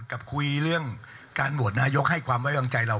กับคุยเรื่องการโหวตนายกให้ความไว้วางใจเรา